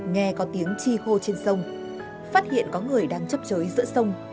nghe có tiếng chi hô trên sông phát hiện có người đang chấp chới giữa sông